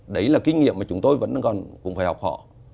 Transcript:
đấy là kinh nghiệm mà chúng tôi vẫn còn cũng phải học họ